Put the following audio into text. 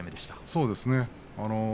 そうですね。